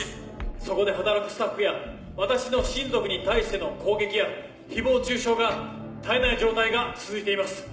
そこで働くスタッフや私の親族に対しての攻撃や誹謗中傷が絶えない状態が続いています。